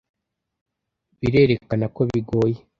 birerekana ko bigoye